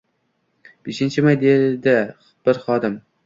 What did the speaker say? — Beshinchi may, — dedi bir xodim.